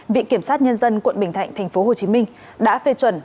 viện kiểm sát nhân dân quận bình thạnh tp hcm đã phê chuẩn